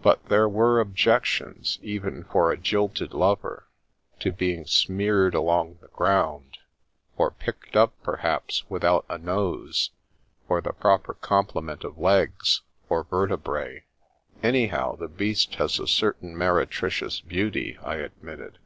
But there were objections, even for a jilted lover, to being smeared along the ground, and picked up, perhaps, without a nose, or the proper complement of legs, or vertebrae. " Anyhow, the beast has a certain meretricious beauty," I admitted.